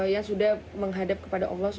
yang sudah menghadap kepada allah sw